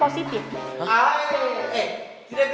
ae eh tidak bisa negatif orang butuh